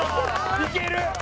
いける！